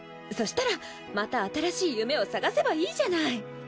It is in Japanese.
そしたらまた新しい夢を探せばいいじゃない。